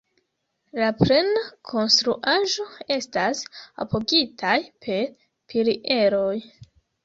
La plena konstruaĵo estas apogitaj per pilieroj.